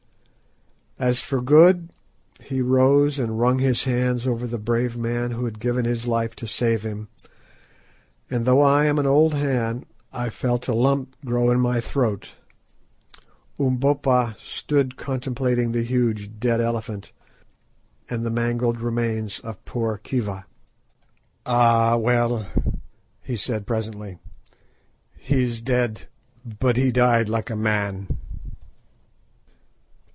As for Good, he rose and wrung his hands over the brave man who had given his life to save him, and, though I am an old hand, I felt a lump grow in my throat. Umbopa stood contemplating the huge dead elephant and the mangled remains of poor Khiva. "Ah, well," he said presently, "he is dead, but he died like a man!"